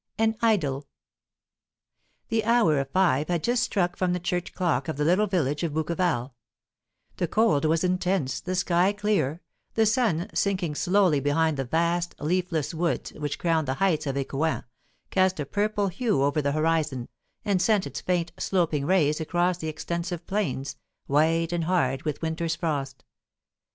AN IDYL. The hour of five had just struck from the church clock of the little village of Bouqueval; the cold was intense, the sky clear, the sun, sinking slowly behind the vast leafless woods which crowned the heights of Ecouen, cast a purple hue over the horizon, and sent its faint, sloping rays across the extensive plains, white and hard with winter's frost.